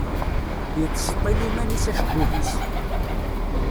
Yettseṭṭil iman-is acebbub-is.